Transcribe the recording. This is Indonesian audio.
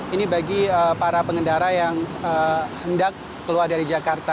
ini bagi para pengendara yang hendak keluar dari jakarta